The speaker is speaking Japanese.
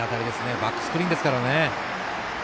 バックスクリーンですからね。